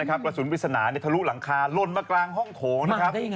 กระสุนปริศนาทะลุหลังคาลนมากลางห้องโถงนะครับ